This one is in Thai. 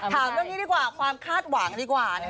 ถามเรื่องนี้ดีกว่าความคาดหวังดีกว่า